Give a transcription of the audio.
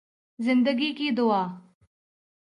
زندگی کی دعا